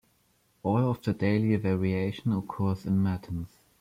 All of the daily variation occurs in Matins.